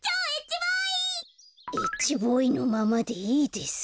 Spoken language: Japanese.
Ｈボーイのままでいいです。